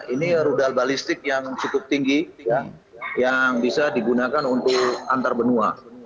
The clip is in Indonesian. ini rudal balistik yang cukup tinggi yang bisa digunakan untuk antar benua